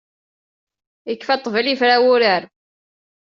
Ikfa ṭṭbel ifra wurar.